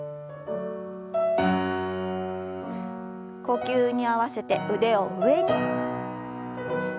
呼吸に合わせて腕を上に。